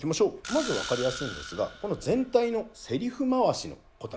まず分かりやすいんですがこの全体のセリフ回しのことなんですね。